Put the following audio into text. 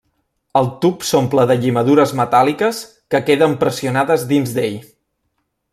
El tub s'omple de llimadures metàl·liques que queden pressionades dins d'ell.